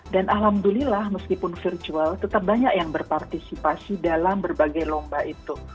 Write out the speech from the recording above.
dan alhamdulillah meskipun virtual tetap banyak yang berpartisipasi dalam berbagai lomba itu